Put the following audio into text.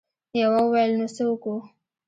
يوه وويل: نو څه وکو؟